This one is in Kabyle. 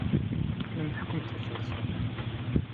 Tellam tḥekkum-d tiseḍsa.